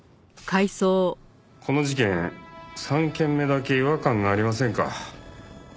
この事件３件目だけ違和感がありませんか？